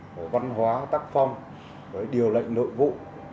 của văn hóa tác phong điều lệnh nội vụ